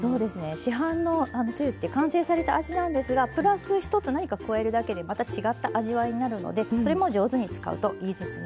市販のつゆって完成された味なんですがプラス１つ何か加えるだけでまた違った味わいになるのでそれも上手に使うといいですね。